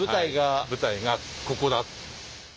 舞台がここだった。